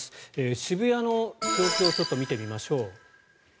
渋谷の様子を見てみましょう。